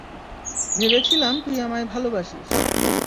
ভেবেছিলাম তুই আমায় ভালোবাসিস।